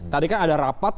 tadi kan ada rapat